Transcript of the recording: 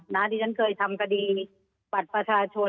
ซะที่ฉันทำกะดีบัตรประชาชน